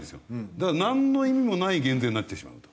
だからなんの意味もない減税になってしまうと。